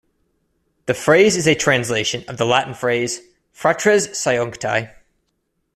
The phrase is a translation of the Latin phrase "fratres seiuncti".